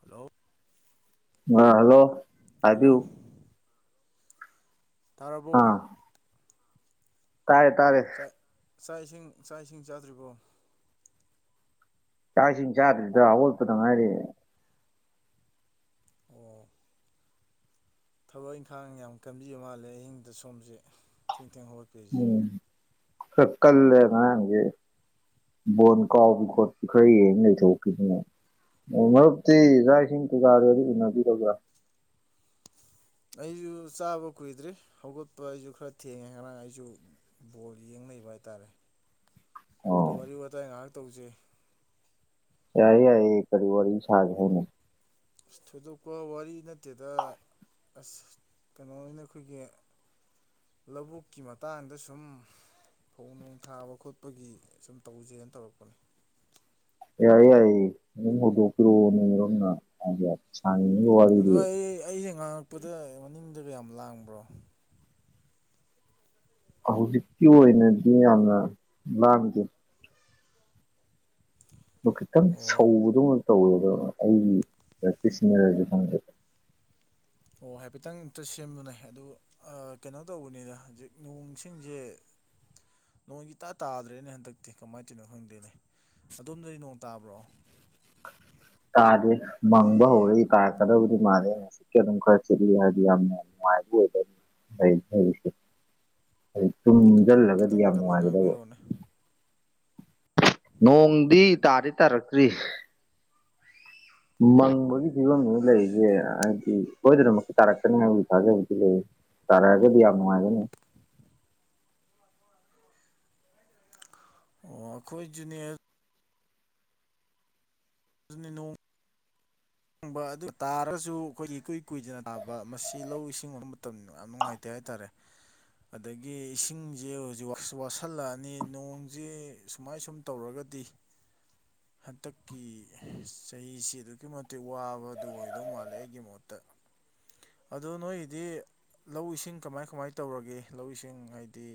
hello ꯑꯥ hello ꯍꯥꯏꯕꯤꯌꯨ hello ꯇꯥꯔꯕꯣ ꯑꯥ ꯇꯥꯔꯦ ꯇꯥꯔꯦ ꯆꯥꯛ ꯆꯥꯛ ꯏꯁꯤꯡ ꯆꯥꯛ ꯏꯁꯤꯡ ꯆꯥꯗ꯭ꯔꯤꯕꯣ ꯆꯥꯛ ꯏꯁꯤꯡ ꯆꯥꯗ꯭ꯔꯤꯗ ꯍꯧꯒꯠꯄꯗ ꯉꯥꯏꯔꯤ ꯑꯣ ꯊꯕꯛ ꯏꯪꯈꯥꯡ ꯌꯥꯝ ꯀꯟꯕꯤꯕ ꯃꯥꯜꯂꯦ ꯑꯍꯤꯡꯗ ꯁꯣꯝꯁꯦ ꯊꯦꯡ ꯊꯦꯡ ꯍꯧꯒꯠ ꯎꯝ ꯈꯔ ꯀꯜꯂꯦ ꯉꯔꯥꯡꯗꯤ ꯕꯣꯟ ꯀꯥꯎꯕꯤ ꯈꯣꯠꯄꯤ ꯈꯔ ꯌꯦꯡ ꯂꯩꯊꯣꯛꯈꯤꯗꯅ ꯑꯣ ꯃꯔꯨꯞꯇꯤ ꯆꯥꯛ ꯏꯁꯤꯡ ꯀꯩꯀꯥꯒꯗꯤ ꯎꯅꯕꯤꯔꯕꯔꯥ ꯑꯩꯁꯨ ꯆꯥꯕ ꯀꯨꯏꯗ꯭ꯔꯤ ꯍꯧꯒꯠꯄ ꯑꯩꯁꯨ ꯈꯔ ꯊꯦꯡꯉꯦ ꯉꯔꯥꯡ ꯑꯩꯁꯨ ꯕꯣꯜ ꯌꯦꯡ ꯂꯩꯕ ꯍꯥꯏꯇꯥꯔꯦ ꯑꯗꯣ ꯑꯣ ꯋꯥꯔꯤ ꯋꯥꯇꯥꯏ ꯉꯍꯥꯛ ꯇꯧꯖꯤ ꯌꯥꯏꯌꯦ ꯌꯥꯏꯌꯦ ꯀꯔꯤ ꯋꯥꯔꯤ ꯁꯥꯖꯦ ꯍꯥꯏꯅꯣ ꯊꯣꯏꯗꯣꯛꯄ ꯋꯥꯔꯤ ꯅꯠꯇꯦꯗ ꯑꯁ ꯀꯩꯅꯣꯅ ꯑꯩꯈꯣꯏꯒꯤ ꯂꯕꯨꯛꯀꯤ ꯃꯇꯥꯡꯗ ꯁꯨꯝ ꯐꯧ ꯅꯨꯡ ꯊꯥꯕ ꯈꯣꯠꯄꯒꯤ ꯁꯨꯝ ꯇꯧꯁꯦꯅ ꯇꯧꯔꯛꯄꯅꯦ ꯌꯥꯏꯌꯦ ꯌꯥꯏꯌꯦ ꯑꯗꯨꯝ ꯍꯧꯗꯣꯛꯄꯤꯔꯣꯅꯦ ꯑꯗꯣꯝꯅ ꯁꯥꯟꯖꯦ ꯁꯥꯅꯅꯤꯡꯉꯤꯕ ꯋꯥꯔꯤꯗꯤ ꯑꯩꯅ ꯉꯡ ꯄꯗ ꯃꯅꯤꯡꯗꯒ ꯌꯥꯝ ꯂꯥꯡꯕ꯭ꯔꯣ ꯍꯧꯖꯤꯛꯀꯤ ꯑꯣꯏꯅꯗꯤ ꯌꯥꯝꯅ ꯂꯥꯡꯗꯦ ꯗꯣ ꯈꯤꯇꯪ ꯑꯣ ꯁꯧꯕꯗꯧꯅ ꯇꯧꯋꯦꯗꯣ ꯑꯩꯒꯤ ꯏꯌꯔꯄꯤꯁꯁꯤꯅꯔꯖꯨ ꯈꯪꯗꯦ ꯑꯣ ꯍꯥꯏꯐꯦꯠꯇꯪ ꯑꯝꯇ ꯁꯦꯝꯃꯨꯅꯦ ꯑꯗꯨ ꯑꯥ ꯀꯩꯅꯣ ꯇꯧꯕꯅꯤꯗ ꯍꯧꯖꯤꯛ ꯅꯣꯡꯁꯤꯡꯁꯦ ꯅꯣꯡ ꯏꯇꯥ ꯇꯥꯗ꯭ꯔꯦꯅꯦ ꯍꯟꯗꯛꯇꯤ ꯀꯃꯥꯏ ꯇꯧꯏꯅꯣ ꯈꯪꯗꯦꯅꯦ ꯑꯗꯣꯝꯗꯗꯤ ꯅꯣꯡ ꯇꯥꯕ꯭ꯔꯣ [unintelligible] ꯇꯥꯗꯦ ꯃꯪꯕ ꯍꯧꯔꯛꯏ ꯇꯥꯔꯛꯀꯗꯕꯗꯤ ꯃꯥꯜꯂꯦꯅꯦ ꯍꯧꯖꯤꯛꯇꯤ ꯑꯗꯨꯝ ꯈꯔ [inaudible] ꯍꯥꯏꯗꯤ ꯌꯥꯝꯅ ꯅꯨꯡꯉꯥꯏꯕ [inaudible] ꯍꯥꯏꯗꯤ ꯈꯤꯇꯪ ꯇꯨꯝꯖꯜꯂꯒꯗꯤ ꯈꯤꯇꯪ ꯌꯥꯝ ꯀꯟꯅ ꯅꯨꯡꯉꯥꯏꯒꯗꯕ [unintelligible] ꯅꯣꯡꯗꯤ ꯇꯥꯗꯤ ꯇꯥꯔꯛꯇ꯭ꯔꯤ ꯃꯪꯕꯒꯤ ꯐꯤꯕꯝꯅꯤ ꯂꯩꯁꯦ ꯍꯥꯏꯕꯗꯤ ꯁꯣꯏꯗꯅꯃꯛꯀꯤ ꯇꯥꯔꯛꯀꯅꯤ ꯍꯥꯏꯕꯒꯤ ꯊꯥꯖꯕꯗꯤ ꯂꯩ ꯇꯥꯔꯛꯑꯒꯗꯤ ꯌꯥꯝ ꯅꯨꯡꯉꯥꯏꯒꯅꯤ ꯑꯣ ꯑꯩꯈꯣꯏꯖꯨꯅꯦ ꯑꯗꯨꯅꯦ ꯅꯣꯡ ꯑꯗꯨ ꯇꯥꯔꯒꯁꯨ ꯑꯩꯈꯣꯏꯒꯤ ꯏꯀꯨꯏ ꯀꯨꯏꯗꯅ ꯇꯥꯕ ꯃꯁꯤ ꯂꯧ ꯏꯁꯤꯡꯕ ꯃꯇꯝ ꯌꯥꯝ ꯅꯨꯡꯉꯥꯏ ꯇꯦ ꯍꯥꯏꯇꯥꯔꯦ ꯑꯗꯒꯤ ꯏꯁꯤꯡꯁꯦ ꯍꯧꯖꯤꯛ ꯋꯥꯁꯜꯂꯛꯑꯅꯤ ꯅꯣꯡꯁꯦ ꯁꯨꯃꯥꯏ ꯁꯨꯝ ꯇꯧꯔꯒꯗꯤ ꯍꯟꯗꯛꯀꯤ ꯆꯍꯤꯁꯤ ꯑꯗꯨꯛꯀꯤ ꯃ ꯇꯤꯛ ꯋꯥꯕꯗꯨ ꯑꯣꯏꯗꯧ ꯃꯥꯜꯂꯦ ꯑꯩꯒꯤ ꯃꯣꯠꯇ ꯑꯗꯣ ꯅꯣꯏꯒꯤꯗꯤ ꯂꯧ ꯏꯁꯤꯡ ꯀꯃꯥꯏ ꯀꯃꯥꯏ ꯇꯧꯔꯒꯦ ꯂꯧ ꯏꯁꯤꯡ ꯍꯥꯏꯗꯤ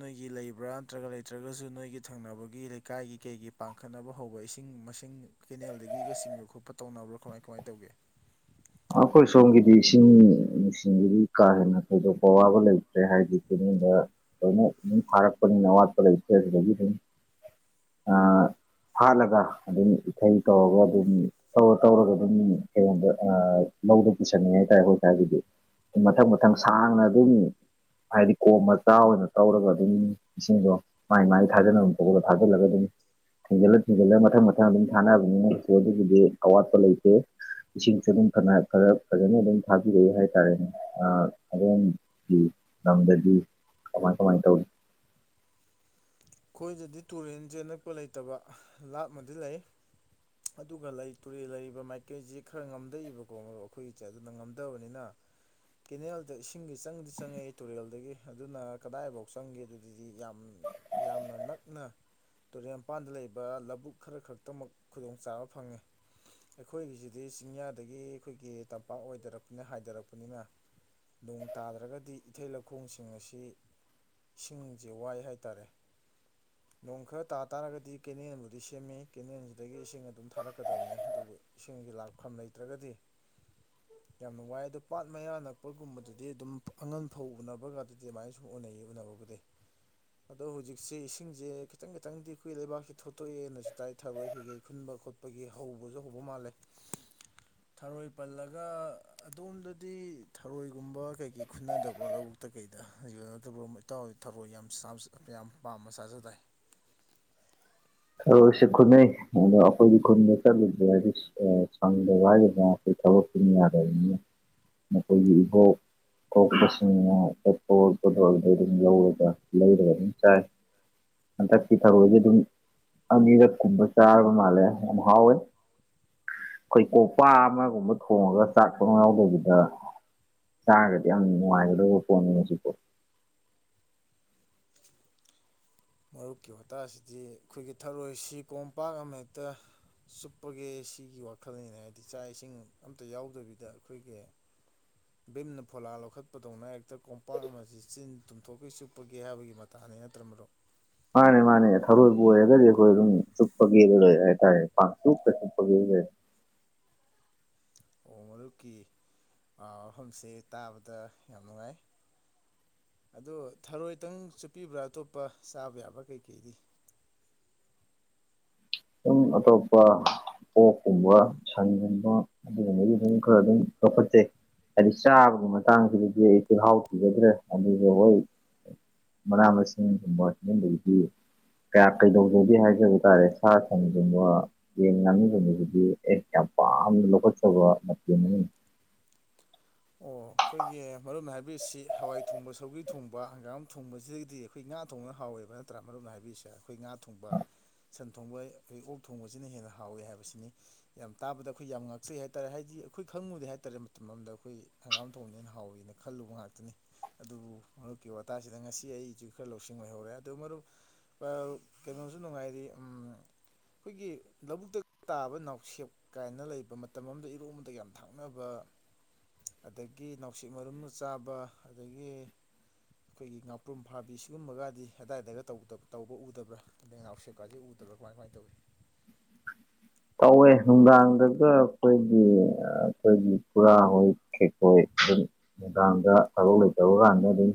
ꯅꯣꯏꯒꯤ ꯂꯩꯕꯔꯥ ꯅꯠꯇ꯭ꯔꯒ ꯂꯩꯇꯔꯥꯒꯁꯨ ꯅꯣꯏꯒꯤ ꯊꯪꯅꯕꯒꯤ ꯂꯩꯀꯥꯏꯒꯤ ꯀꯩꯒꯤ ꯄꯥꯛ ꯈꯠꯅꯕ ꯍꯧꯕ ꯏꯁꯤꯡ ꯃꯁꯤꯡ ꯀꯦꯅꯦꯜꯗꯒꯤꯒ ꯆꯤꯡꯕ ꯈꯣꯠꯄ ꯇꯧꯅꯕ꯭ꯔꯥ ꯀꯃꯥꯏ ꯀꯃꯥꯏꯅ ꯇꯧꯒꯦ ꯑꯩꯈꯣꯏ ꯁꯣꯝꯒꯤꯗꯤ ꯏꯁꯤꯡ ꯅꯨꯡꯁꯤꯡꯒꯤꯗꯤ ꯀꯥ ꯍꯦꯟꯅ ꯊꯣꯏꯗꯣꯛꯄ ꯑꯋꯥꯕ ꯂꯩ ꯔꯦ ꯍꯥꯏꯗꯤ ꯀꯅꯤꯡꯗ ꯂꯣꯏꯅ ꯑꯗꯨ ꯐꯥꯔꯛꯄꯅꯤꯅ ꯑꯋꯥꯠꯄ ꯂꯩꯇ꯭ꯔꯦ ꯑꯗꯨꯗꯒꯤ ꯁꯨꯝ [unintelligible] ꯍꯥꯠꯂꯒ ꯑꯗꯨꯝ ꯏꯊꯩ ꯇꯧꯔꯒ ꯑꯗꯨꯝ ꯇꯧꯔ ꯇꯧꯔꯒ ꯑꯗꯨꯝ ꯀꯩꯒꯣꯗ ꯑ ꯂꯧꯗ ꯄꯨꯁꯟꯉꯦ ꯍꯥꯏꯇꯥꯔꯦ ꯑꯩꯈꯣꯏꯇꯥꯔꯒꯤꯗꯤ ꯃꯊꯪ ꯃꯊꯪ ꯁꯥꯡꯅ ꯑꯗꯨꯝ ꯍꯥꯏꯗꯤ ꯀꯣꯝ ꯃꯆꯥ ꯑꯣꯏꯅ ꯇꯧꯔꯒ ꯑꯗꯨꯝ ꯏꯁꯤꯡꯗꯣ ꯃꯥꯏ ꯃꯥꯏ ꯊꯥꯖꯅꯕ ꯊꯣꯛꯄꯗ ꯊꯥꯖꯤꯜꯂꯒ ꯑꯗꯨꯝ ꯊꯤꯡꯖꯤꯜꯂ ꯊꯤꯡꯖꯤꯜꯂꯒ ꯃꯊꯪ ꯃꯊꯪ ꯑꯗꯨꯝ ꯁꯥꯟꯅꯕꯅꯤꯅ ꯀꯩꯁꯨ ꯑꯗꯨꯒꯤꯗꯤ ꯑꯋꯥꯠꯄ ꯂꯩꯇꯦ [unintelligible] ꯈꯔ ꯐꯖꯅ ꯑꯗꯨꯝ ꯊꯥꯕꯤꯔꯛꯏ ꯍꯥꯏꯇꯥꯔꯦꯅꯦ ꯑ ꯑꯗꯨꯝꯒꯤ ꯂꯝꯗꯗꯤ ꯀꯃꯥꯏ ꯀꯃꯥꯏ ꯇꯧꯏ ꯑꯩꯈꯣꯏꯗꯗꯤ ꯇꯨꯔꯦꯟꯖꯦ ꯑꯅꯛꯄ ꯂꯩꯇꯕ ꯂꯥꯞꯅꯗꯤ ꯂꯩ ꯑꯗꯨꯒ ꯂꯩ ꯇꯨꯔꯦꯜ ꯂꯩꯔꯤꯕ ꯃꯥꯏꯀꯩꯁꯤ ꯈꯔ ꯉꯝꯗꯩꯏꯕꯀꯣ ꯃꯔꯨ ꯑꯩꯈꯣꯏꯒꯤꯁꯦ ꯑꯗꯨꯅ ꯉꯝꯗꯕꯅꯤꯅ ꯀꯦꯅꯦꯜꯗ ꯏꯁꯤꯡꯒꯤ ꯆꯪꯗꯤ ꯆꯪꯉꯛꯏ ꯇꯨꯔꯦꯜꯗꯒꯤ ꯑꯗꯨꯅ ꯀꯗꯥꯏꯐꯥꯎ ꯆꯪꯒꯦ ꯑꯗꯨꯗꯤ ꯌꯥꯝ ꯌꯥꯝꯅ ꯅꯛꯅ ꯇꯨꯔꯦꯟ ꯄꯥꯟꯗ ꯂꯩꯕ ꯂꯧꯕꯨꯛ ꯈꯔ ꯈꯛꯇꯃꯛ ꯈꯨꯗꯣꯡꯆꯥꯥꯕ ꯐꯪꯉꯤ ꯑꯩꯈꯣꯏꯒꯤꯁꯤꯗꯤ ꯆꯤꯡꯌꯥꯗꯒꯤ ꯑꯩꯈꯣꯏꯒꯤ ꯇꯝꯄꯥꯛ ꯑꯣꯏꯗꯔꯛꯄꯅꯤꯅ ꯍꯥꯏꯊꯔꯛꯄꯅꯤꯅ ꯅꯣꯡ ꯇꯥꯗ꯭ꯔꯒꯗꯤ ꯏꯊꯩ ꯂꯧꯈꯣꯡꯁꯤꯡ ꯑꯁꯤ ꯏꯁꯤꯡꯁꯦ ꯋꯥꯏ ꯍꯥꯏꯇꯥꯔꯦ ꯅꯣꯡ ꯈꯔ ꯇꯥ ꯇꯥꯔꯒꯗꯤ ꯀꯦꯅꯦꯜꯕꯨꯗꯤ ꯁꯦꯝꯃꯤ ꯀꯦꯅꯦꯜꯁꯤꯗꯒꯤ ꯏꯁꯤꯡ ꯑꯗꯨꯝ ꯊꯥꯔꯛꯀꯗꯕꯅꯦ ꯑꯗꯨꯕꯨ ꯏꯁꯤꯡꯒꯤ ꯂꯥꯛꯐꯝ ꯂꯩꯇ꯭ꯔꯒꯗꯤ ꯌꯥꯝꯅ ꯋꯥꯏ ꯑꯗꯣ ꯄꯥꯠ ꯃꯌꯥ ꯅꯛꯄꯒꯨꯝꯕꯗꯨꯗꯤ ꯑꯗꯨꯝ ꯑꯉꯟ ꯐꯧ ꯎꯅꯕꯒꯗꯨꯗꯤ ꯑꯗꯨꯃꯥꯏꯅ ꯁꯨꯝ ꯎꯅꯩꯌꯦ ꯎꯅꯕꯒ ꯑꯦ ꯑꯗꯣ ꯍꯧꯖꯤꯛ ꯁꯦ ꯏꯁꯤꯡꯁꯦ ꯈꯤꯇꯪ ꯈꯤꯇꯪꯗꯤ ꯑꯩꯈꯣꯏ ꯂꯩꯕꯥꯛꯁꯦ ꯊꯣꯛꯇꯣꯛꯑꯦꯅꯁꯨ ꯇꯥꯏ ꯊꯥꯔꯣꯏ ꯍꯦꯛ ꯍꯦꯛ ꯈꯨꯟꯕ ꯈꯣꯠ ꯑꯩꯈꯣꯏꯒꯤ ꯍꯧꯕꯁꯨ ꯍꯧꯕ ꯃꯥꯜꯂꯦ ꯊꯥꯔꯣꯏ ꯄꯜꯂꯒ ꯑꯗꯣꯝꯗꯗꯤ ꯊꯔꯣꯏꯒꯨꯝꯕ ꯀꯩꯀꯩ ꯈꯨꯟꯗꯕꯣ ꯂꯧ ꯇ ꯀꯩꯗ [unintelligible] ꯏꯇꯥꯎ ꯊꯔꯣꯏ ꯌꯥꯝ ꯁꯥꯁ ꯌꯥꯝ ꯄꯥꯝꯅ ꯆꯥꯖ ꯗꯥꯏ ꯊꯔꯣꯢꯁꯦ ꯈꯨꯟꯅꯩ ꯑꯩꯈꯣꯢꯒꯤ ꯈꯨꯟꯕ ꯆꯠꯂꯤꯁꯦ ꯍꯥꯢꯗꯤ ꯑ ꯁꯪꯗꯕ ꯍꯥꯏꯒꯗꯅꯥ ꯑꯩꯈꯣꯏ ꯊꯕꯛꯇꯨꯅ ꯌꯥꯗꯕꯅꯤ ꯃꯈꯣꯏꯒꯤ ꯏꯕꯧ ꯀꯣꯛꯄꯁꯤꯡꯅ [unintelligible] ꯑꯗꯨꯝ ꯂꯧꯔꯒ ꯂꯩꯔꯒ ꯑꯗꯨꯝ ꯆꯥꯏ ꯍꯟꯗꯥꯛꯇꯤ ꯊꯔꯣꯏꯁꯦ ꯑꯗꯨꯝ ꯑꯅꯤꯔꯛ ꯀꯨꯝꯕ ꯆꯥꯔꯕ ꯃꯥꯜꯂꯦ ꯍꯥꯎꯋꯦ ꯑꯩꯈꯣꯏ ꯀꯣꯄꯥ ꯑꯃꯒꯨꯝꯕ ꯊꯣꯡꯉꯒ ꯆꯥꯛ ꯁꯨꯡꯌꯥꯎ ꯌꯥꯎꯗꯕꯤꯗ ꯆꯥꯔꯒꯗꯤ ꯌꯥꯝ ꯅꯨꯡꯉꯥꯏꯒꯗꯕ ꯄꯣꯟꯅꯤ ꯍꯧꯖꯤꯛꯐꯣ ꯃꯔꯨꯞꯀꯤ ꯋꯥꯇꯥꯁꯤꯗꯤ ꯑꯩꯈꯣꯏꯒꯤ ꯊꯥꯔꯣꯏ ꯁꯤ ꯀꯣꯝꯄꯥꯛ ꯑꯃ ꯍꯦꯛꯇ ꯆꯨꯞꯄꯒꯦ ꯁꯤꯒꯤ ꯋꯥꯈꯜꯅꯤꯅꯦ ꯍꯥꯏꯗꯤ ꯆꯥꯛ ꯏꯁꯤꯡ ꯑꯝꯇ ꯌꯥꯎꯗꯕꯤꯗ ꯑꯩꯈꯣꯏꯒꯤ [inaudible] ꯕꯤꯝꯅ ꯐꯣꯂꯥ ꯂꯧꯈꯠꯄꯗꯧꯅ ꯍꯦꯛꯇ ꯀꯣꯝꯄꯥꯛ ꯑꯃꯁꯤ ꯆꯤꯟ ꯇꯨꯝꯊꯣꯛꯀꯩ ꯆꯨꯞꯄꯒꯦ ꯍꯥꯏꯕꯒꯤ ꯃꯇꯥꯅꯤ ꯅꯠꯇ꯭ꯔ ꯃꯔꯨꯞ ꯃꯥꯅꯦ ꯃꯥꯅꯦ ꯊꯔꯣꯏꯕꯨ ꯑꯣꯏꯔꯒꯗꯤ ꯑꯩꯈꯣꯏ ꯑꯗꯨꯝ ꯆꯨꯞꯄꯒꯦꯗ ꯂꯔꯦ ꯍꯥꯏꯇꯥꯔꯦ ꯄꯆꯨꯞꯇ ꯆꯨꯞꯄꯒꯦ ꯂꯩꯔꯦ ꯑꯣ ꯃꯔꯨꯞꯀꯤ ꯑ ꯐꯝꯁꯦ ꯇꯥꯕꯗ ꯌꯥꯝ ꯅꯨꯡꯉꯥꯏ ꯑꯗꯣ ꯊꯔꯣꯏꯇꯪ ꯆꯨꯞꯄꯤꯕ꯭ꯔꯥ ꯑꯇꯣꯞꯄ ꯆꯥꯕ ꯌꯥꯕ ꯀꯩꯀꯩꯗꯤ ꯎꯝ ꯑꯇꯣꯞꯄ ꯑꯣꯛꯀꯨꯝꯕ ꯁꯟꯒꯨꯝꯕ ꯑꯗꯨꯒꯨꯝꯕꯒꯤ ꯑꯗꯨꯝ ꯈꯔ ꯑꯗꯨꯝ ꯂꯧꯈꯠꯆꯩ ꯍꯥꯏꯗꯤ ꯆꯥꯕꯒꯤ ꯃꯇꯥꯡꯁꯤꯗꯗꯤ ꯑꯩ ꯆꯤꯜꯍꯥꯎ ꯊꯤꯖꯗ꯭ꯔꯦ ꯑꯗꯨꯁꯨ ꯍꯣꯏ ꯃꯅꯥ ꯃꯁꯤꯡꯒꯨꯝꯕ ꯁꯤꯒꯨꯝꯕꯗꯤ ꯀꯌꯥ ꯀꯩꯗꯧꯖꯒꯦ ꯍꯥꯏꯖꯕ ꯇꯥꯔꯦ ꯁꯥ ꯒꯨꯝꯕ ꯌꯦꯟ ꯉꯥꯡꯅꯁꯤꯡꯕꯁꯤꯗꯤ ꯑꯩ ꯌꯥꯝ ꯄꯥꯝꯅ ꯂꯧꯈꯠꯆꯕ ꯃꯇꯦ ꯑꯃꯅꯤ ꯑꯣ ꯑꯩꯈꯣꯏꯒꯤ ꯃꯔꯨ ꯑꯣꯏꯅ ꯍꯥꯏꯕꯤꯔꯤꯁꯤ ꯍꯋꯥꯏ ꯊꯣꯡꯕ ꯁꯧꯒꯔꯤ ꯊꯣꯡꯕ ꯍꯪꯒꯥꯝ ꯊꯣꯡꯕꯁꯤꯗꯒꯤꯗꯤ ꯑꯩꯈꯣꯏ ꯉꯥ ꯊꯣꯡꯕꯅ ꯍꯥꯎꯋꯦꯕ ꯅꯠꯇ꯭ꯔꯥ ꯃꯔꯨꯞꯅ ꯍꯥꯏꯕꯤꯔꯤꯁꯦ ꯑꯩꯈꯣꯏ ꯉꯥ ꯊꯣꯡꯕ ꯁꯟ ꯊꯣꯡꯕ ꯑꯩꯈꯣꯏ ꯑꯣꯛ ꯊꯣꯡꯕꯁꯤꯅ ꯍꯦꯟꯅ ꯍꯥꯎꯋꯤ ꯍꯥꯏꯕꯁꯤꯅꯤ ꯌꯥꯝ ꯇꯥꯕꯗ ꯑꯩꯈꯣꯏ ꯌꯥꯝ ꯉꯥꯛꯆꯩ ꯍꯥꯏ ꯇꯥꯔꯦ ꯍꯥꯏꯗꯤ ꯑꯩꯈꯣꯏ ꯈꯪꯉꯨꯗꯦ ꯍꯥꯏ ꯇꯥꯔꯦ ꯃꯇꯝ ꯑꯃꯗ ꯑꯩꯈꯣꯏ ꯍꯪꯒꯥꯝ ꯊꯣꯡꯝꯅꯦ ꯑꯩꯅ ꯍꯥꯎꯋꯅ ꯈꯜꯂꯨꯕ ꯉꯥꯛꯇꯅꯤ ꯑꯗꯨꯕꯨ ꯃꯔꯨꯞꯀꯤ ꯋꯥꯇꯥꯁꯤꯗ ꯉꯁꯤ ꯑꯩꯁꯨ ꯈꯔ ꯂꯧꯁꯤꯡ ꯑꯣꯏꯍꯧꯔꯦ ꯑꯗꯨ ꯃꯔꯨꯞ ꯀꯩꯅꯣꯁꯨ ꯅꯨꯡꯉꯥꯏꯔꯤ ꯎꯝ ꯑꯩꯈꯣꯏꯒꯤ ꯂꯧꯕꯨꯛꯇ ꯇꯥꯕ ꯅꯥꯎꯁꯦꯞ ꯀꯥꯏꯅ ꯂꯩꯕ ꯃꯇꯝ ꯑꯃꯗ ꯏꯔꯣꯝꯕꯗ ꯌꯥꯝ ꯊꯥꯛꯅꯕ ꯑꯗꯒꯤ ꯅꯥꯅꯨꯡꯁꯤꯛ ꯃꯔꯨꯝ ꯆꯥꯕ ꯑꯗꯒꯤ ꯑꯩꯈꯣꯏꯒꯤ ꯉꯥꯄ꯭ꯔꯨꯝ ꯐꯥꯕꯤ ꯁꯤꯒꯨꯝꯕꯒꯗꯤ ꯑꯗꯥꯏꯗꯒ ꯇꯧꯕ ꯎꯗꯕ꯭ꯔꯥ ꯑꯩꯅꯥꯎꯁꯦꯛꯀꯦ ꯎꯗ꯭ꯔ ꯀꯃꯥꯏ ꯀꯃꯥꯏ ꯇꯧꯏ ꯇꯧꯋꯦ ꯅꯨꯡꯗꯥꯡꯗꯒ ꯑꯩꯈꯣꯏꯒꯤ ꯑꯩꯈꯣꯏꯒꯤ ꯄꯨꯔꯥ ꯍꯧꯖꯤꯛ ꯑꯗꯨꯝ ꯅꯨꯡꯗꯥꯡꯗ ꯊꯕꯛ ꯂꯩꯇꯕ ꯀꯥꯟꯗ ꯑꯗꯨꯝ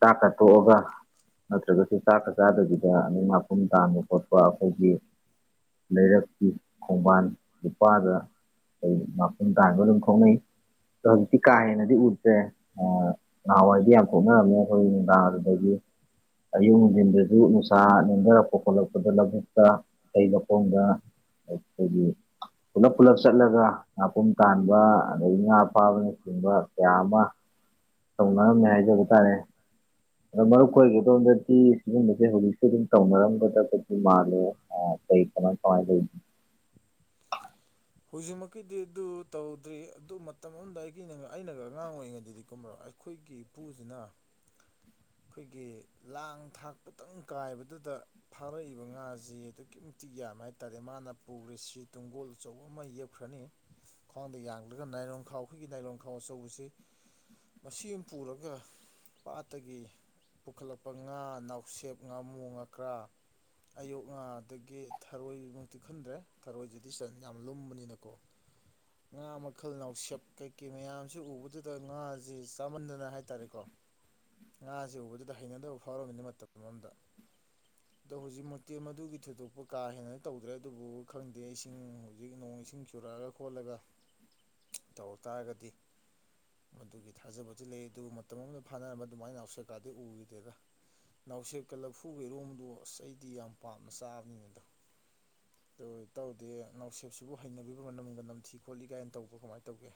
ꯆꯥꯛꯀ ꯇꯣꯛꯑꯒ ꯅꯠꯇ꯭ꯔꯒꯁꯨ ꯆꯥꯛꯀ ꯆꯥꯗꯕꯤꯗ ꯑꯅꯤꯛ ꯑꯄꯨꯝ ꯇꯥꯟꯕ ꯈꯣꯠꯄ ꯑꯩꯈꯣꯏꯒꯤ ꯂꯩꯔꯛ ꯈꯣꯡꯕꯥꯟ ꯂꯨꯄꯥꯗ ꯑꯩ ꯃꯥꯄꯨꯟ ꯇꯥꯡꯒ ꯑꯗꯨꯝ ꯊ‌ꯣꯛꯅꯩ ꯇꯧꯕꯨꯗꯤ ꯀꯥ ꯍ‌ꯦꯅꯗꯤ ꯎꯗ꯭ꯔ‌ꯦ ꯅꯍꯥꯟꯋꯥꯏꯗꯤ ꯌꯥꯝ ꯊꯣꯛꯣꯛꯅꯔꯝꯃꯦ ꯑꯩꯈꯣꯏ ꯅꯨꯡꯗꯥꯡ ꯑꯗꯨꯗꯒꯤ ꯑꯌꯨꯛ ꯅꯨꯡꯊꯤꯟꯗꯁꯨ ꯅꯨꯡꯁꯥ ꯅꯦꯝꯊꯔꯛꯄ ꯈꯣꯠꯂꯛꯄꯗ ꯂꯧꯕꯨꯛꯇ ꯑꯇꯩ ꯂꯧꯈꯣꯡꯗ ꯑꯗꯒꯤ ꯄꯨꯜꯂꯞ ꯄꯨꯜꯂꯞ ꯆꯠꯂꯒ ꯉꯥꯄꯨꯝ ꯇꯥꯟꯕ ꯑꯗꯒꯤ ꯉꯥ ꯐꯥꯕꯅꯆꯤꯡꯕ ꯀꯌꯥ ꯑꯃ [inaudible] ꯇꯧꯅꯔꯝꯃꯤ ꯍꯥꯏꯖꯕ ꯇꯥꯔꯦ ꯑꯗꯣ ꯃꯔꯨꯞ ꯑꯣꯏꯒꯦꯗꯣꯝꯗꯗꯤ ꯁꯤꯒꯨꯝꯕꯁꯦ ꯍꯧꯖꯤꯛꯁꯦ ꯑꯗꯨꯝ ꯇꯧꯅꯔꯝꯒꯗꯁꯨ ꯃꯥꯜꯂꯦ [unintelligible] ꯍꯧꯖꯤꯛꯃꯛꯀꯤꯗꯤ ꯑꯗꯨ ꯇꯧꯗ꯭ꯔꯤ ꯑꯗꯨ ꯃꯇꯝ ꯑꯃꯗ ꯑꯩꯒꯤ ꯑꯩꯅꯒ ꯑꯉꯥꯡ ꯑꯣꯏꯔꯤꯉꯩꯗꯗꯤ ꯀꯨꯝꯃꯔꯣ ꯑꯩꯈꯣꯏꯒꯤ ꯏꯄꯨꯁꯤꯅ ꯑꯩꯈꯣꯏꯒꯤ ꯂꯥꯡ ꯊꯥꯛꯄꯨꯇꯪ ꯀꯥꯏꯕꯗꯨꯗ ꯐꯥꯔꯛꯏꯕ ꯉꯥꯁꯦ ꯑꯗꯨꯛꯀꯤ ꯃꯇꯤꯛ ꯌꯥꯝꯃꯦ ꯍꯥꯏꯇꯥꯥꯔꯦ ꯃꯥꯅ ꯄꯨꯈꯔꯤꯁꯤ ꯇꯨꯡꯒꯣꯜ ꯑꯆꯧꯕ ꯑꯃ ꯌꯦꯛꯈ꯭ꯔꯅꯤ ꯈ꯭ꯋꯥꯡꯗ ꯌꯥꯗꯒ ꯅꯥꯏꯔꯣꯟꯈꯥꯎ ꯑꯩꯈꯣꯏꯒꯤ ꯅꯥꯏꯔꯣꯟꯈꯥꯎ ꯑꯆꯧꯕꯁꯤ ꯃꯁꯤ ꯑꯃ ꯄꯨꯔꯒ ꯄꯥꯠꯇꯒꯤ ꯄꯨꯈꯠꯂꯛꯄ ꯉꯥ ꯅꯥꯎꯁꯦꯞ ꯉꯥꯃꯨ ꯉꯥꯀ꯭ꯔꯥ ꯑꯌꯨꯛ ꯉꯗꯒꯤ ꯊꯔꯣꯏꯃꯨꯛꯇꯤ ꯈꯟꯗ꯭ꯔꯦ ꯊꯔꯣꯏꯗꯨꯗꯤ ꯆꯟ ꯌꯥꯝ ꯂꯨꯝꯕꯅꯤꯅꯀꯣ ꯉꯥ ꯃꯈꯜ ꯅꯥꯁꯦꯞ ꯀꯩꯀꯩ ꯃꯌꯥꯝꯁꯤ ꯎꯕꯗꯨꯗ ꯉꯥꯁꯦ ꯆꯥꯃꯟꯗꯅ ꯍꯥꯏ ꯇꯥꯔꯦꯀꯣ ꯉꯥꯁꯦ ꯎꯕꯗꯨꯗ ꯍꯩꯅꯗꯕ ꯐꯥꯎꯔꯝꯃꯤꯅ ꯃꯇꯝ ꯑꯃꯗ ꯑꯗꯣ ꯍꯧꯖꯤꯛ ꯃꯨꯛꯇꯤ ꯃꯗꯨꯒꯤ ꯊꯣꯏꯗꯣꯛꯄꯨ ꯀꯥ ꯍꯦꯟꯅ ꯇꯧꯗ꯭ꯔꯦ ꯑꯗꯨꯕꯨ ꯈꯪꯗꯦ ꯏꯁꯤꯡ ꯍꯧꯖꯤꯛ ꯅꯣꯡ ꯏꯁꯤꯡ ꯆꯨꯔꯛꯑꯒ ꯈꯣꯠꯂꯒ ꯇꯧꯔꯛ ꯇꯥꯔꯒꯗꯤ ꯃꯗꯨꯒꯤ ꯊꯥꯖꯕꯁꯨ ꯂꯩ ꯑꯗꯨꯕꯨ ꯃꯇꯝ ꯑꯃꯗ ꯐꯥꯅꯔꯝꯕ ꯑꯗꯨꯃꯥꯏꯅ ꯎꯁꯦꯀꯥꯗꯤ ꯎꯈꯤꯗꯦꯔ ꯅꯥꯎꯁꯦꯦꯛꯀ ꯂꯐꯨꯒꯩꯔꯣꯝꯗꯣ ꯑꯁ ꯑꯩꯗꯤ ꯌꯥꯝ ꯄꯥꯝꯅ ꯆꯥꯕꯅꯤ ꯃꯗꯨ ꯑꯗꯨ ꯇꯧꯗꯦ ꯅꯥꯎꯁꯦꯞꯁꯤꯕꯨ ꯍꯩꯅꯕꯤꯕ ꯃꯅꯝꯒ ꯅꯝꯊꯤ ꯈꯣꯠꯂꯤ ꯀꯥꯏꯅ ꯇꯧꯕ ꯀꯃꯥꯏꯅ ꯇꯧꯒꯦ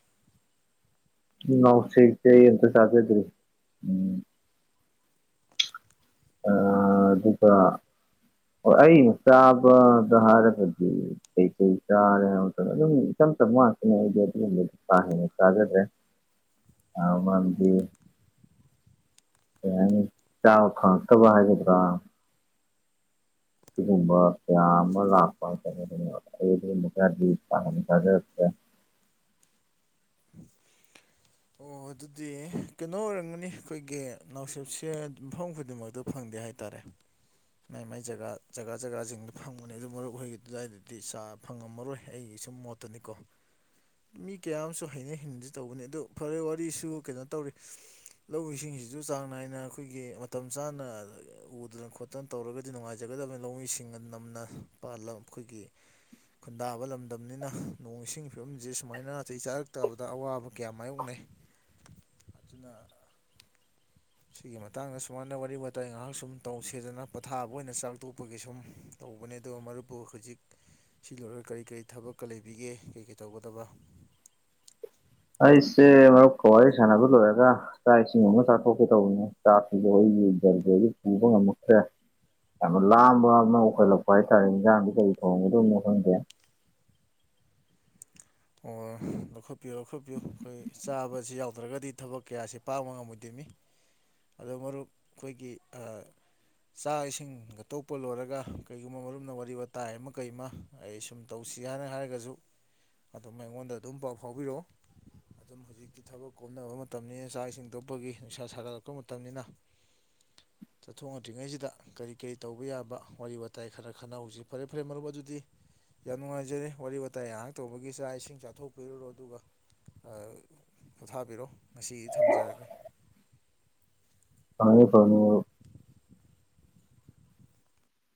ꯅꯥꯎꯁ‌ꯦꯛꯁ‌ꯦ ꯑꯩ ꯑꯝꯇꯕꯨ ꯆꯥꯖꯗ꯭ꯔꯤ ꯎꯝ ꯑꯥ ꯑꯗꯨꯒ ꯑꯩ ꯆꯥꯕꯗ ꯍꯥꯏꯔꯒꯗꯤ ꯀꯩ ꯀꯩ ꯆꯥꯔꯦ ꯍꯥꯏ ꯃꯇꯝꯗ ꯑꯗꯨꯝ ꯏꯆꯝ ꯆꯝ ꯋꯥꯥꯛꯇꯅꯦ ꯑꯩꯗꯤ ꯑꯗꯨꯒꯨꯝꯕꯗꯣ ꯀꯥꯍꯦꯟꯅ ꯆꯥꯖꯗ꯭ꯔꯦ [inaudible] ꯑꯥ ꯃꯔꯝꯗꯤ ꯀꯩ ꯍꯥꯏꯅꯤ ꯆꯥ ꯐꯉꯛ- ꯇꯕ ꯍꯥꯏꯒꯗ꯭ꯔꯥ ꯁꯤꯒꯨꯝꯕ ꯀꯌꯥ ꯑꯃ ꯂꯥꯛꯄ ꯍꯥꯏꯇꯥꯔꯦ ꯑꯗꯨꯅ ꯑꯩ ꯑꯗꯨꯒꯨꯝꯕ ꯈꯔꯗꯤ ꯄꯥꯝ ꯆꯖꯥꯗ꯭ꯔꯦ [unintelligible] ꯑꯣ ꯑꯗꯨꯗꯤ ꯀꯩꯅꯣ ꯑꯣꯏꯔꯝꯒꯅꯤ ꯑꯩꯈꯣꯏꯒꯤ ꯅꯥꯎꯁꯦꯞꯁꯦ ꯃꯐꯝ ꯈꯨꯗꯤꯡꯃꯛꯗꯥ ꯐꯪꯗꯦ ꯍꯥꯏ ꯇꯔꯦ ꯃꯥꯏ ꯃꯥꯏ ꯖꯒꯥ ꯖꯒꯥ ꯖꯒꯥꯁꯤꯡꯗꯨ ꯐꯪꯕꯅꯦ ꯑꯗꯨ ꯃꯔꯨꯞ ꯍꯣꯏꯒꯤ ꯑꯗꯨꯋꯥꯏꯗꯗꯤ ꯆꯥ ꯐꯪꯉꯝꯃꯔꯣꯏ ꯑꯩꯒꯤ ꯁꯨꯝ ꯃꯣꯠ- ꯇꯨꯅꯤꯀꯣ ꯃꯤ ꯀꯌꯥ ꯑꯃꯁꯨ ꯍꯩꯅꯩ ꯍꯩꯅꯗꯦ ꯇꯧꯕꯅꯦ ꯑꯗꯨ ꯐꯔꯦ ꯋꯥꯔꯤꯁꯨ ꯀꯩꯅꯣ ꯇꯧꯔꯤ ꯂꯧ ꯏꯁꯤꯡꯁꯤꯁꯨ ꯆꯥꯡ ꯅꯥꯏꯅ ꯑꯩꯈꯣꯏꯒꯤ ꯃꯇꯝ ꯆꯥꯅ ꯎꯗꯅ ꯈꯣꯠ ꯇꯟ ꯇꯧꯔꯒꯗꯤ ꯅꯨꯡꯉꯥꯏꯖꯒꯗꯃꯤ ꯂꯧꯃꯤꯁꯤꯡꯅ ꯅꯝꯅ ꯄꯥꯜꯂ ꯑꯩꯈꯣꯏꯒꯤ ꯈꯨꯟꯗꯥꯕ ꯂꯝꯗꯝꯅꯤꯅ ꯅꯣꯡ ꯏꯁꯤꯡꯒꯤ ꯐꯤꯕꯝꯁꯦ ꯁꯨꯃꯥꯏꯅ ꯇꯩ ꯆꯥꯔꯛꯇꯕꯗ ꯑꯋꯥꯕ ꯀꯌꯥ ꯃꯥꯌꯣꯛꯅꯩ ꯑꯗꯨꯅ ꯁꯤꯒꯤ ꯃꯇꯥꯡꯗ ꯁꯨꯃꯥꯏꯅ ꯋꯥꯔꯤ ꯋꯇꯥꯏ ꯉꯥꯏꯍꯥꯛ ꯁꯨꯝ ꯇꯧꯁꯦꯗꯅ ꯄꯣꯊꯥꯕ ꯑꯣꯏꯅ ꯆꯥꯛꯊꯣꯛꯄꯒꯤ ꯁꯨꯝ ꯇꯧꯕꯅꯦ ꯑꯗꯣ ꯃꯔꯨꯞꯄꯨ ꯍꯧꯖꯤꯛ ꯁꯤ ꯂꯣꯏꯔꯒ ꯀꯔꯤ ꯀꯔꯤ ꯊꯕꯛꯀꯥ ꯂꯩꯕꯤꯒꯦ ꯀꯩ ꯀꯩ ꯇꯧꯒꯗꯕ ꯑꯩꯁꯦ ꯃꯔꯨꯞꯀꯥ ꯋꯥꯔꯤ ꯁꯥꯟꯅꯕ ꯂꯣꯏꯔꯒ ꯆꯥꯛ ꯏꯁꯤꯡ ꯑꯃ ꯆꯥꯊꯣꯛꯀꯦ ꯇꯧꯕꯅꯦ ꯆꯥꯛꯁꯤꯗꯣ ꯑꯩꯒꯤ ꯎꯗꯕꯗꯒꯤ ꯄꯨꯕ ꯉꯝꯃꯛꯇ꯭ꯔꯦ ꯌꯥꯝꯅ ꯂꯥꯝꯕ ꯑꯃ ꯑꯣꯏꯈꯠꯂꯛꯄ ꯍꯥꯏꯇꯥꯔꯦ ꯏꯟꯖꯥꯡꯗꯤ ꯀꯔꯤ ꯊꯣꯡꯉꯝꯒꯗꯧꯅꯣ ꯈꯪꯗ꯭ꯔꯦ ꯑꯣ ꯂꯧꯈꯠꯄꯤꯌꯣ ꯂꯧꯈꯠꯄꯤꯌꯣ ꯑꯩꯈꯣꯏ ꯆꯥꯕꯁꯤ ꯌꯥꯎꯗ꯭ꯔꯒꯗꯤ ꯊꯕꯛ ꯀꯌꯥꯁꯤ ꯄꯥꯡꯕ ꯉꯝꯃꯣꯏꯗꯣꯏꯃꯤ ꯑꯗꯣ ꯃꯔꯨꯞ ꯈꯣꯏꯒꯤ ꯑꯥ ꯆꯥꯛ ꯏꯁꯤꯡꯒ ꯇꯣꯛꯄ ꯂꯣꯏꯔꯒ ꯀꯔꯤꯒꯨꯝꯕ ꯃꯔꯨꯝꯅ ꯋꯥꯔꯤ ꯋꯇꯥꯏ ꯑꯃ ꯀꯩ ꯑꯃ ꯑꯩ ꯁꯨꯝ ꯇꯧꯁꯤ ꯍꯥꯏꯅ ꯍꯥꯏꯔꯒꯁꯨ ꯑꯗꯨꯝ ꯑꯩꯉꯣꯟꯗ ꯑꯗꯨꯝ ꯄꯥꯎ ꯐꯥꯎꯕꯤꯌꯣ ꯑꯗꯨꯝ ꯍꯧꯖꯤꯛꯇꯤ ꯊꯕꯛ ꯀꯣꯝꯅꯕ ꯃꯇꯝꯅꯤꯅ ꯆꯥꯛ ꯏꯁꯤꯡ ꯇꯣꯛꯄꯒꯤ ꯅꯨꯡꯁꯥ ꯁꯥꯒꯠꯂꯛꯄ ꯃꯇꯝꯅꯤꯅ ꯆꯠꯊꯣꯛꯅꯗ꯭ꯔꯤꯉꯩꯁꯤꯗ ꯀꯔꯤ ꯀꯔꯤ ꯇꯧꯕ ꯌꯥꯕ ꯋꯥꯔꯤ ꯋꯥꯇꯥꯏ ꯈꯔ ꯈꯟꯅꯍꯧꯖꯤ ꯐꯔꯦ ꯐꯔꯦ ꯃꯔꯨꯞ ꯑꯗꯨꯗꯤ ꯌꯥꯝ ꯅꯨꯡꯉꯥꯏꯖꯔꯦ ꯋꯥꯔꯤ ꯋꯇꯥꯏ ꯉꯥꯏꯍꯥꯛ ꯇꯧꯕꯒꯤ ꯆꯥꯛ ꯏꯁꯤꯡ ꯆꯥꯊꯣꯛꯄꯤꯔꯨꯔꯣ ꯑꯗꯨꯒ ꯑꯥ ꯄꯣꯊꯥꯕꯤꯔꯣ ꯉꯁꯤꯒꯤꯗꯤ ꯊꯝꯖꯔꯒꯦ ꯐꯅꯤ ꯐꯅꯤ ꯃꯔꯨꯞ